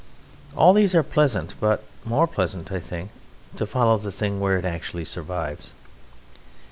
All these are pleasant, but more pleasant, I think, to follow the thing where it actually survives.